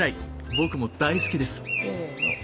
僕も大好きです！